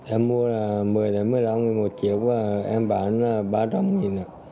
em mua là một mươi một mươi năm nghìn một chiếc và em bán là ba trăm linh nghìn